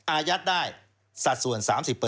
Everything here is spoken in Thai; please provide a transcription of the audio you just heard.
อายัดได้สัดส่วน๓๐